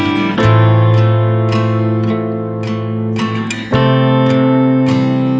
semua untuk alih setiap kesempatan